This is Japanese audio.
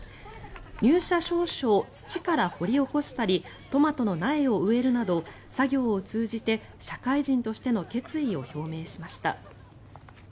入社証書を土から掘り起こしたりトマトの苗を植えるなど作業を通じて社会人としての決意を表明しました。